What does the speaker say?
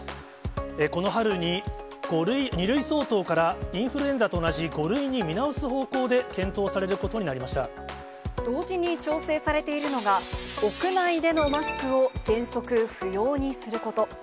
この春に、２類相当から、インフルエンザと同じ５類に見直す方向で検討されることになりま同時に調整されているのが、屋内でのマスクを原則不要にすること。